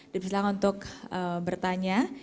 dipersilakan untuk bertanya